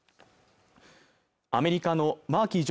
アメリカのマーキー